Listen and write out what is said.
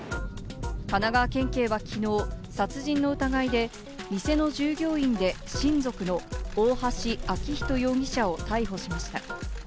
神奈川県警はきのう殺人の疑いで、店の従業員で親族の大橋昭仁容疑者を逮捕しました。